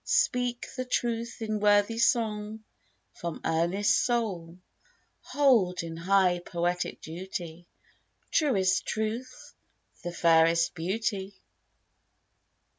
speak the truth in Worthy song from earnest soul ! Hold, in high poetic duty, Truest Truth the fairest Beauty!